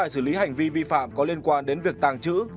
chế tải xử lý hành vi vi phạm có liên quan đến việc tàng trữ